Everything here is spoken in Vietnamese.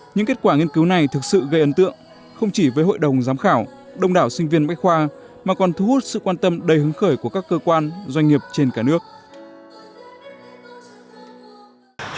những kết quả nghiên cứu này thực sự gây ấn tượng không chỉ với hội đồng giám khảo đông đảo sinh viên bách khoa mà còn thu hút sự quan tâm đầy hứng khởi của các cơ quan doanh nghiệp trên cả nước